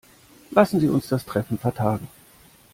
Lassen Sie uns das Treffen vertagen.